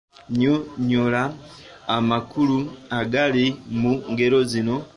Nnyonnyola amakulu agali mu ngero zino.